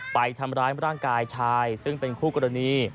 ไปทำร้ายร่างกายชายซึ่งเป็นคู่กรณี